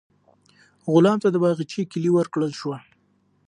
غلام ته د باغچې کیلي ورکړل شوه.